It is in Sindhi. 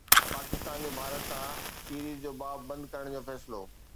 پاڪستان جو ڀارت سان سيريز جو باب بند ڪرڻ جو فيصلو